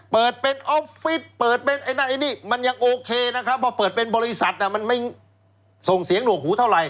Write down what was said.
เปิดเป็นออฟฟิศเปิดเป็นไอ้นั่นไอ้นี่มันยังโอเคนะครับว่าเปิดเป็นบริษัทมันไม่ส่งเสียงหนวกหูเท่าไห